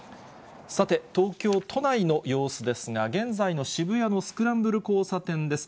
さて、東京都内の様子ですが、現在の渋谷のスクランブル交差点です。